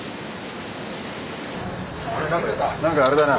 なんかあれだな。